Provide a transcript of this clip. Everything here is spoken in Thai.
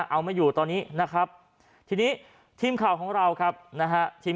เอาไม่อยู่ตอนนี้นะครับทีนี้ทีมข่าวของเราครับนะฮะทีม